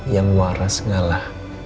yang marah sengalah